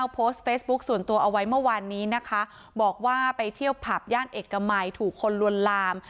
โพสต์เฟซบุ๊คส่วนตัวเอาไว้เมื่อวานนี้นะคะบอกว่าไปเที่ยวผับย่านเอกมัยถูกคนลวนลาม